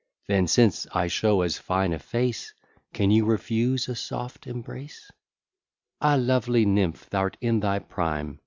Then, since I show as fine a face, Can you refuse a soft embrace? Ah! lovely nymph, thou'rt in thy prime!